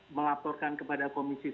melaporkan kepada komisi sebelas